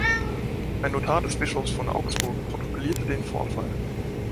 Ein Notar des Bischofs von Augsburg protokollierte den Vorfall.